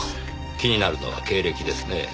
気になるのは経歴ですねぇ。